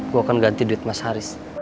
gue akan ganti duit mas haris